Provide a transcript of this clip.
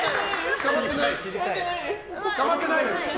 捕まってないです。